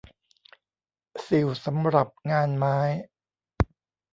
สิ่วสำหรับงานไม้